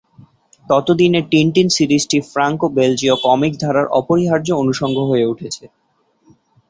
ততদিনে টিনটিন সিরিজটি ফ্রাঙ্কো-বেলজীয় কমিকস ধারার অপরিহার্য অনুষঙ্গ হয়ে উঠেছে।